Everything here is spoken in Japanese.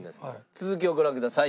続きをご覧ください。